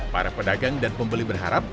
para pedagang dan pembeli berharap